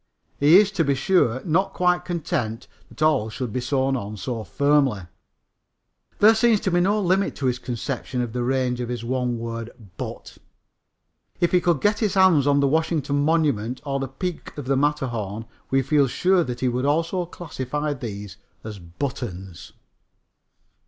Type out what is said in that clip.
He is, to be sure, not quite content that all should be sewn on so firmly. There seems to be no limit to his conception of the range of his one word "but." If he could get his hands on the Washington Monument or the peak of the Matterhorn, we feel sure that he would also classify these as buttons.